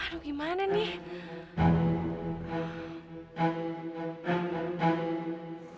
akhir ini islam ini tidak bisa sambung